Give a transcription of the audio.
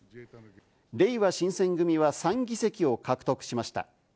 れいわ新選組は３議席を獲得しました。